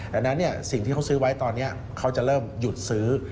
ดังนั้นสิ่งที่เขาซื้อไว้ตอนนี้เขาจะเริ่มหยุดซื้อ